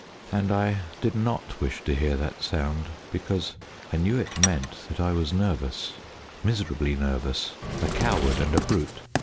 And I did not wish to hear that sound, because I knew it meant that I was nervous miserably nervous a coward and a brute.